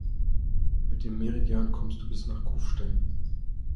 Mit dem Meridian kommst du bis nach Kufstein.